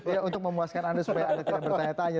ya untuk memuaskan anda supaya anda tidak bertanya tanya